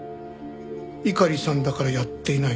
猪狩さんだからやっていない。